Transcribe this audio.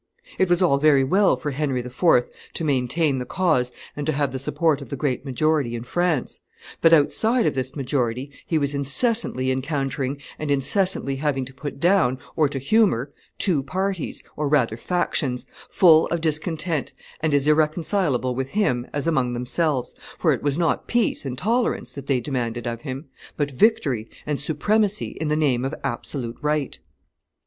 It was all very well for Henry IV. to maintain the cause and to have the support of the great majority in France; but outside of this majority he was incessantly encountering and incessantly having to put down or to humor two parties, or rather factions, full of discontent and as irreconcilable with him as among themselves, for it was not peace and tolerance that they demanded of him, but victory and supremacy in the name of absolute right.